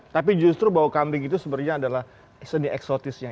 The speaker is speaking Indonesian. tapi justru bau kambing itu sebenarnya adalah seni eksotisnya